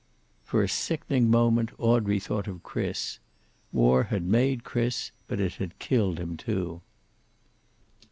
For a sickening moment, Audrey thought of Chris. War had made Chris, but it had killed him, too.